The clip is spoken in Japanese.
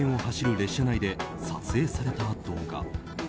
列車の車内で撮影された動画。